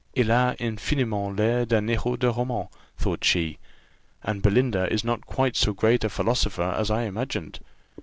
Il a infiniment l'air d'un héros de roman, thought she, and Belinda is not quite so great a philosopher as I imagined.